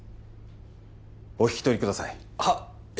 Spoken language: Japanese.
お引き取りくださいはっえ